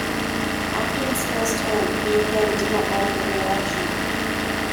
After his first term, he again did not run for reelection.